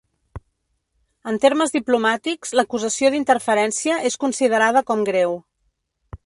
En termes diplomàtics, l’acusació d’interferència és considerada com greu.